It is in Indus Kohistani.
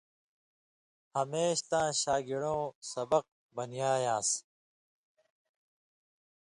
ہمیش تاں شاگِڑؤں سبق بنیایان٘س